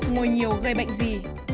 hai ngồi nhiều gây bệnh gì